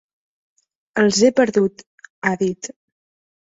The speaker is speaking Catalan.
Els he perdut, ha dit.